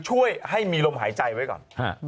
ช่วยให้มีลมหายใจไว้ก่อน